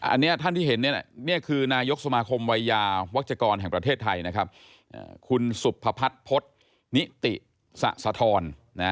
อันนี้ท่านที่เห็นนี่คือนายกสมาคมวัยยาวัชกรแห่งประเทศไทยนะครับคุณสุภพัฒน์พฤษนิติสะทร